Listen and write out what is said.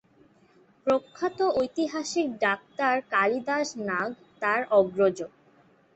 প্রখ্যাত ঐতিহাসিক ডাক্তার কালিদাস নাগ তার অগ্রজ।